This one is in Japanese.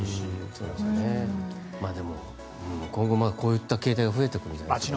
でも、今後こういった形態が増えてくるんじゃないですか。